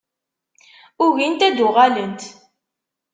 Ugint ad d-uɣalent.